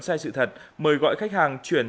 sai sự thật mời gọi khách hàng chuyển